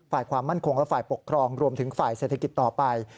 ฝ่ายความมั่นคงและฝ่ายปกครองรวมถึงฝ่ายเศรษฐกิจต่อไป